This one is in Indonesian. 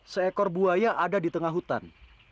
seekor buaya ada di tengah hutan